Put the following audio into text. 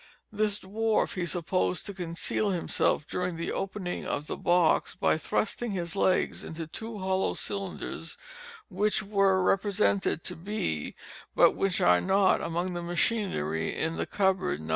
This dwarf he supposed to conceal himself during the opening of the box by thrusting his legs into two hollow cylinders, which were represented to be (but which are not) among the machinery in the cupboard No.